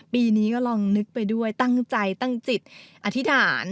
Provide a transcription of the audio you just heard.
ปีนี้ก็ลองนึกไปด้วยตั้งใจตั้งจิตอธิษฐาน